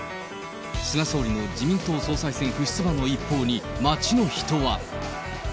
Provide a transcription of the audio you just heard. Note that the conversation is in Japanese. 菅総理の自民党総裁選不出馬の一報に、街の人は。